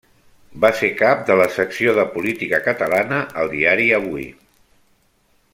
Va ser cap de la secció de política catalana al diari Avui.